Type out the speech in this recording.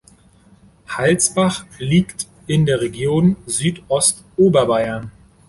Halsbach liegt in der Region Südostoberbayern.